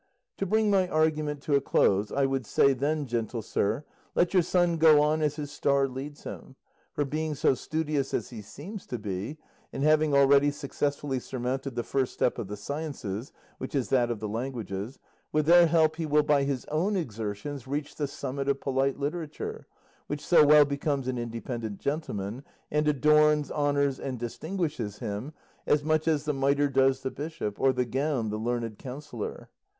To bring my argument to a close, I would say then, gentle sir, let your son go on as his star leads him, for being so studious as he seems to be, and having already successfully surmounted the first step of the sciences, which is that of the languages, with their help he will by his own exertions reach the summit of polite literature, which so well becomes an independent gentleman, and adorns, honours, and distinguishes him, as much as the mitre does the bishop, or the gown the learned counsellor.